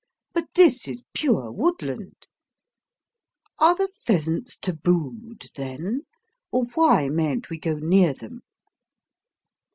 But this is pure woodland. Are the pheasants tabooed, then? or why mayn't we go near them?"